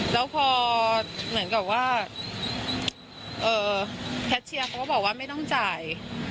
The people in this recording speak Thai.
แล้วพอเหมือนกับว่าแคทเชียร์เขาก็บอกว่าไม่ต้องจ่าย